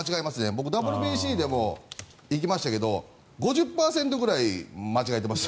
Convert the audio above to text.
僕、ＷＢＣでも行きましたけど５０％ぐらい間違えてました。